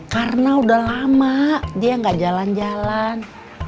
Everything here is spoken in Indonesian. karena udah lama dia gak jalan jalan